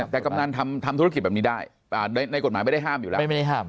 แต่กำนันทำธุรกิจแบบนี้ได้ในกฎหมายไม่ได้ห้ามอยู่แล้ว